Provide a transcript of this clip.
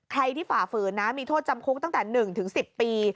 ที่ฝ่าฝืนนะมีโทษจำคุกตั้งแต่๑๑๐ปี